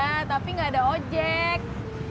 iya tapi gak ada ojek